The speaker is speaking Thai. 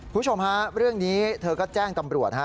คุณผู้ชมฮะเรื่องนี้เธอก็แจ้งตำรวจฮะ